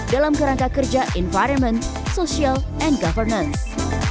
dalam kerangka kerja environment social and governance